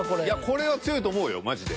これは強いと思うよマジで。